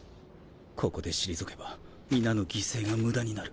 ここで退けば皆の犠牲が無駄になる。